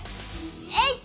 えいっ！